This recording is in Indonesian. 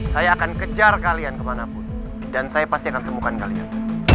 saya akan kejar kalian kemanapun dan saya pasti akan temukan kalian